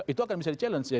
itu akan bisa di challenge ya